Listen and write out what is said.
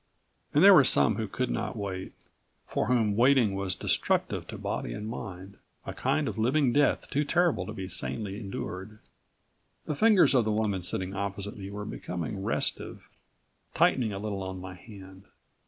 And there were some who could not wait, for whom waiting was destructive to body and mind, a kind of living death too terrible to be sanely endured. The fingers of the woman sitting opposite me were becoming restive, tightening a little on my hand.